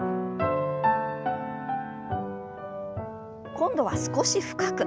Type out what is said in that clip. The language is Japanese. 今度は少し深く。